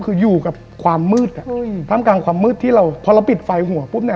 คืออยู่กับความมืดอะถ้ำกาลความมืดพอเราปิดไฟหัวปุ๊บเนี่ย